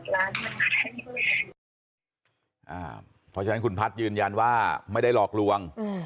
เพราะฉะนั้นคุณพัฒน์ยืนยันว่าไม่ได้หลอกลวง